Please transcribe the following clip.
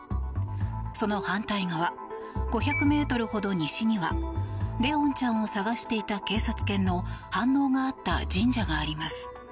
その反対側、５００ｍほど西には怜音ちゃんを捜していた警察犬の反応があった神社があります。